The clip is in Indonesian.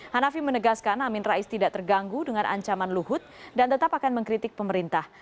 hanafi menegaskan amin rais tidak terganggu dengan ancaman luhut dan tetap akan mengkritik pemerintah